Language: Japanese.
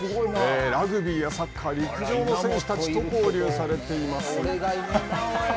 ラグビーやサッカー、陸上の選手たちと交流されています。